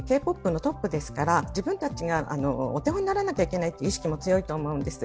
ＢＴＳはＫ−ＰＯＰのトップですから自分たちがお手本にならなきゃいけないという意識も強いと思うんです。